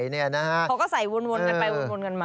เขาก็ใส่วนกันไปวนกันมา